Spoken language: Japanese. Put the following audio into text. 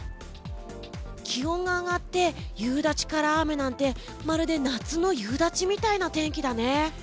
気温が上がって夕立から雨なんてまるで夏の夕立みたいな天気だね。